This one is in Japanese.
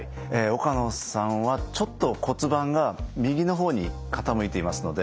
岡野さんはちょっと骨盤が右の方に傾いていますので。